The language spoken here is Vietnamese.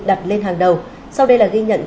đặt lên hàng đầu sau đây là ghi nhận